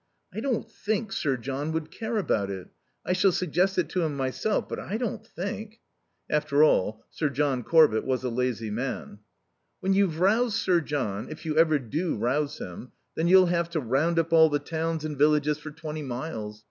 "I don't think Sir John would care about it. I shall suggest it to him myself; but I don't think ." After all, Sir John Corbett was a lazy man. "When you've roused Sir John, if you ever do rouse him, then you'll have to round up all the towns and villages for twenty miles.